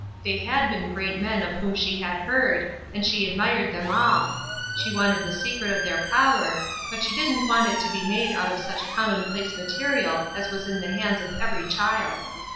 They had been great men of whom she had heard, and she admired them all; she wanted the secret of their power, but she didn't want it to be made out of such commonplace material as was in the hands of every child.